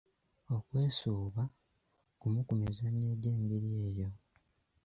"Okwesuuba, gumu ku mizannyo egy’engeri eyo."